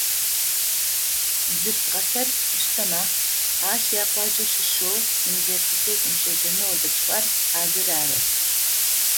Бзылъфыгъэхэр пштэмэ, ащ икъуаджэ щыщэу, университет щеджэнэу дэкӏыгъэр а зыр ары.